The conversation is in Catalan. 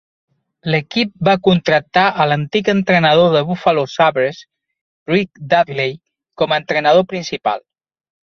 L'equip va contractar a l'antic entrenador de Buffalo Sabres, Rick Dudley, com a entrenador principal.